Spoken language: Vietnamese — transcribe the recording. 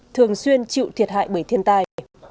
thường xuyên chịu thiệt hại bởi thiên tai